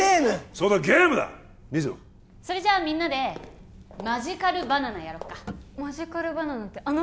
そうだゲームだ水野それじゃみんなでマジカルバナナやろっかマジカルバナナってあの？